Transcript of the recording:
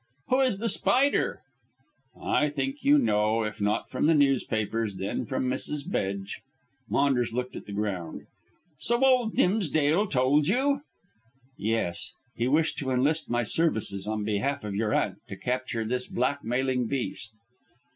"Who is The Spider?" "I think you know, if not from the newspapers, then from Mrs. Bedge." Maunders looked at the ground. "So old Dimsdale told you?" "Yes. He wished to enlist my services on behalf of your aunt to capture this blackmailing beast."